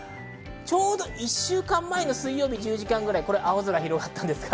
ちょうど１週間前の水曜日、１０時間くらい青空は広がりました。